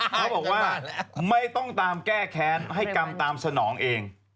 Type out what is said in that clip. เขาบอกว่าไม่ต้องตามแก้แค้นให้กรรมตามสนองเอง